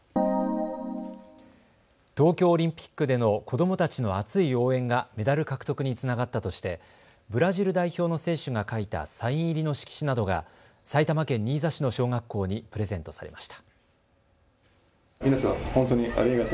東京オリンピックでの子どもたちの熱い応援がメダル獲得につながったとしてブラジル代表の選手が書いたサイン入りの色紙などが埼玉県新座市の小学校にプレゼントされました。